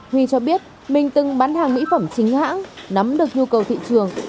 huy cho biết mình từng bán hàng mỹ phẩm chính hãng nắm được nhu cầu thị trường